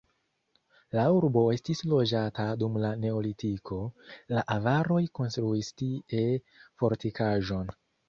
La urbo estis loĝata dum la neolitiko, la avaroj konstruis tie fortikaĵon.